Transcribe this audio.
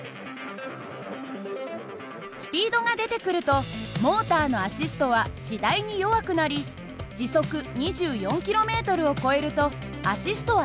スピードが出てくるとモーターのアシストは次第に弱くなり時速２４ｋｍを超えるとアシストはなくなります。